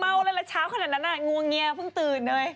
เมาอะไรแหละเช้าขนาดนั้นง่วงเงียวเพิ่งตื่นเลย